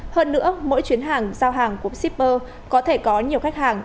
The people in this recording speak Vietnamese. hơn nữa mỗi chuyến hàng giao hàng của shipper có thể có nhiều khách hàng